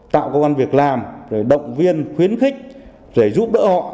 tạo công an việc làm động viên khuyến khích để giúp đỡ họ